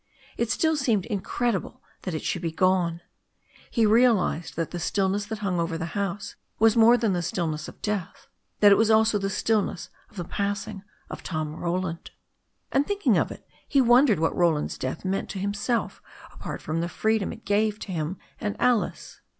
It still seemed incredible that it should be gone. He realized that the stillness that hung over the house was more than the stillness of death, that it was also the stillness of the passing of Tom Roland. And thinking of it, he wondered what Roland's death meant to himself apart from the freedom it gave to him and Alice.